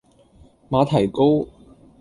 馬蹄糕